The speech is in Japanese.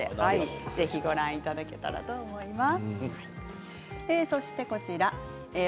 ぜひご覧いただければと思います。